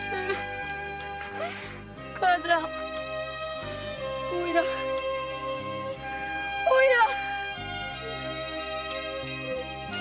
母ちゃんおいらおいら。